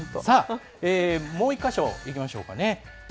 さあ、もう１か所いきましょうかね。